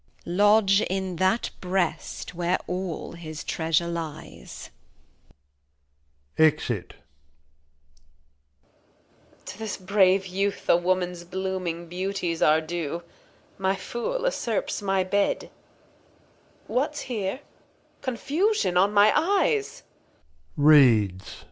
Lodge in that Breast where aU his Treasure lies. [Exit. Reg. To this brave Youth a Woman's blooming Beauties Are due ; my Fool usurps my Bed What's here ? Confusion on my Eyes. [Reads.